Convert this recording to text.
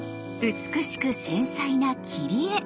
美しく繊細な切り絵！